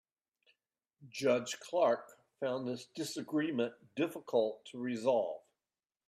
Judge Clark found this disagreement difficult to resolve.